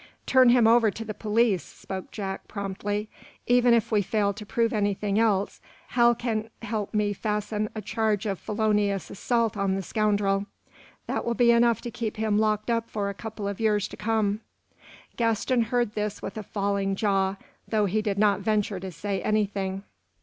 "Turn him over to the police," spoke Jack, promptly. "Even if we fail to prove anything else Hal can help me fasten a charge of felonious assault on the scoundrel. That will be enough to keep him locked up for a couple of years to come." Gaston heard this with a falling jaw, though he did not venture to say anything.